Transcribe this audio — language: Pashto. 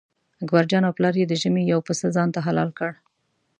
اکبرجان او پلار یې د ژمي یو پسه ځانته حلال کړ.